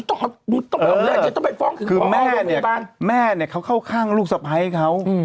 ต้องเอาเลือกอย่าต้องไปฟ้องคือแม่เนี่ยเขาเข้าข้างลูกศัพท์ให้เขา